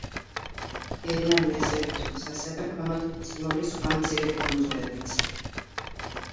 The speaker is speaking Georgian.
გერმანიას ეკუთვნის ასევე ქვემოთ მოცემული სხვა მცირე კუნძულებიც.